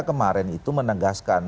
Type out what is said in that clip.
kemarin itu menegaskan